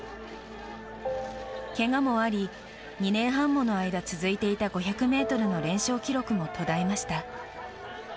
けがもあり２年半もの間、続いていた５００ｍの連勝記録も途絶えました。